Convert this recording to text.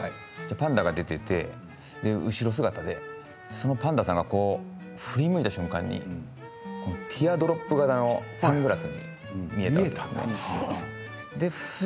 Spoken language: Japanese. パンダが出ていて後ろ姿でそのパンダさんが振り向いた瞬間にティアドロップ型のサングラスに見えたんです。